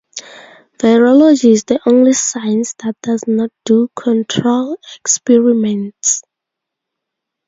Virology is the only "science" that does not do control experiments.